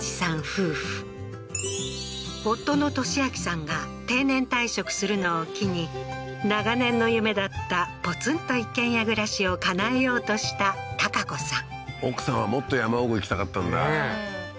夫婦夫の俊明さんが定年退職するのを機に長年の夢だったポツンと一軒家暮らしをかなえようとした良子さん奥さんはもっと山奥行きたかったんだ？